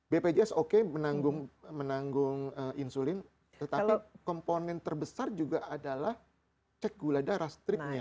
bpjs oke menanggung insulin tetapi komponen terbesar juga adalah cek gula darah stripnya